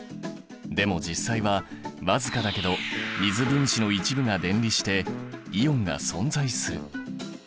でも実際は僅かだけど水分子の一部が電離してイオンが存在する。